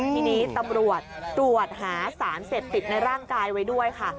ทีนี้ตำรวจตรวจหาสารเสพติดในร่างกายไว้ด้วยค่ะ